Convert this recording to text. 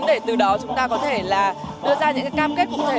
để từ đó chúng ta có thể là đưa ra những cái cam kết cụ thể